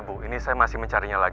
bisnis sebentar ya